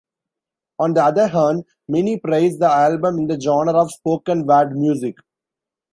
On the other hand, many praise the album in the genre of spoken-word music.